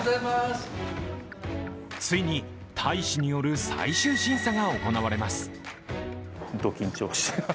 ついに大使による最終審査が行われます。